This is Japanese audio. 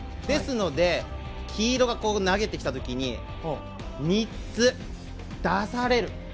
ですので、黄色が投げてきた時に３つ、出される。